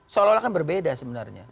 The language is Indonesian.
seolah olah kan berbeda sebenarnya